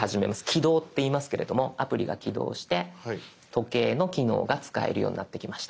起動っていいますけれどもアプリが起動して時計の機能が使えるようになってきました。